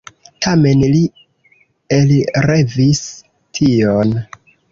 Tamen li elrevis tion.